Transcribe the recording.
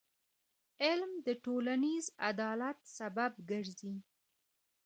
علم د ټولنیز عدالت سبب ګرځي.